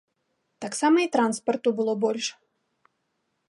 Таксама і транспарту было больш.